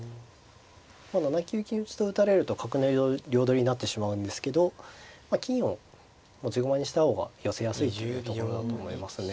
７九金打と打たれると角の両取りになってしまうんですけど金を持ち駒にした方が寄せやすいっていうところだと思いますね。